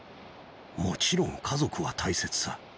もちろん家族は大切さ。